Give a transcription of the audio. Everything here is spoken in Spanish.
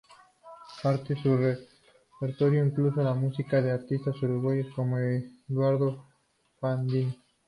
Parte de su repertorio incluyó la música de artistas uruguayos como Eduardo Fabini.